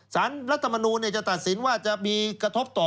รัฐมนูลจะตัดสินว่าจะมีกระทบต่อ